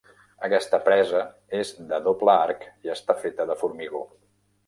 Aquesta presa és de doble arc i està feta de formigó.